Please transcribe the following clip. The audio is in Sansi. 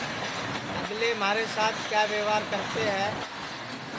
اگلے مہارے سات کیا وئوار کرتے ہے